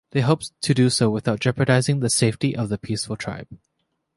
They hope to do so without jeopardizing the safety of the peaceful tribe.